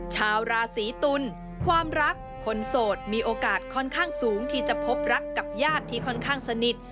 ชาวราศีตุลความรักคนโสดมีโอกาสค่อนข้างสูงที่จะพบรักกับญาติที่ค่อนข้างสนิท